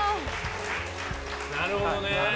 なるほどね。